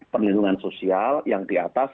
perlindungan sosial yang diatas